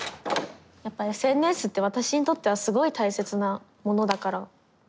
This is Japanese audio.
やっぱＳＮＳって私にとってはすごい大切なものだから。